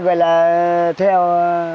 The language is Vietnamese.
gọi là theo